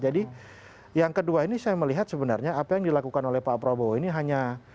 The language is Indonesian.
jadi yang kedua ini saya melihat sebenarnya apa yang dilakukan oleh pak prabowo ini hanya